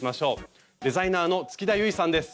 デザイナーの月田ゆいさんです。